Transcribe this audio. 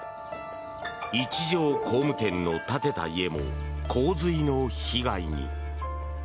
一条工務店の建てた家も洪水の被害に。